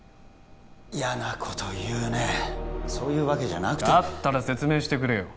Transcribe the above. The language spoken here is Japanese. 嫌なこと言うねそういうわけじゃなくてだったら説明してくれよ